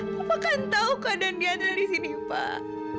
papa kan tahu keadaan diandra di sini pak